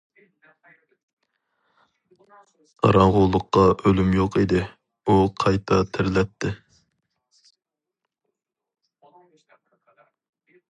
قاراڭغۇلۇققا ئۆلۈم يوق ئىدى، ئۇ قايتا تىرىلەتتى.